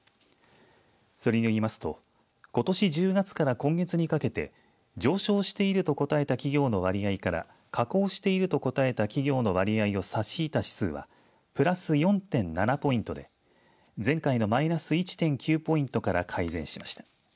それによりますとことし１０月から今月にかけて上昇していると答えた企業の割合から下降していると答えた企業の割合を差し引いた指数はプラス４．７ポイントで前回のマイナス１．９ポイントから改善しました。